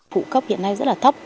phụ cấp hiện nay rất là thấp